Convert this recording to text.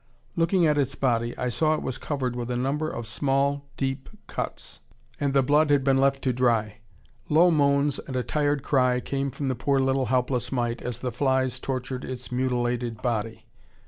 Looking at its body I saw it was covered with a number of small, deep cuts, and the blood had been left to dry. Low moans and a tired cry came from the poor, little, helpless mite as the flies tortured its mutilated body.